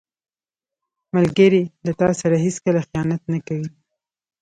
ملګری له تا سره هیڅکله خیانت نه کوي